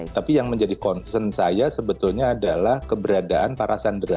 tapi yang menjadi concern saya sebetulnya adalah keberadaan para sandera